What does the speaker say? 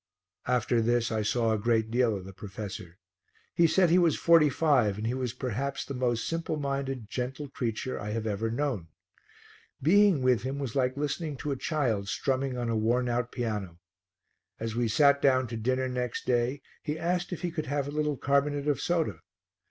After this I saw a great deal of the professor. He said he was forty five and he was perhaps the most simple minded, gentle creature I have ever known. Being with him was like listening to a child strumming on a worn out piano. As we sat down to dinner next day he asked if he could have a little carbonate of soda.